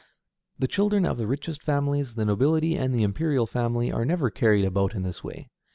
The children of the richest families, the nobility, and the imperial family, are never carried about in this way.